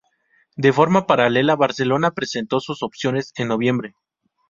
De forma paralela, Barcelona presentó sus opciones en noviembre.